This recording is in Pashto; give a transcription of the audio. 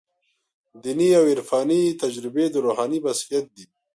دیني او عرفاني تجربې د روحاني بصیرت دي.